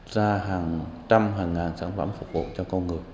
ra hàng trăm hàng ngàn sản phẩm phục vụ cho con người